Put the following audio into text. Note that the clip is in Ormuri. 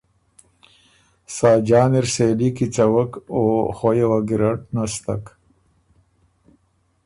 خاجان اِر سېلي کیڅوک او خویه وه ګۀ ګیرډ نستک